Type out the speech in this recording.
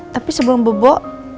tapi sebelum bobo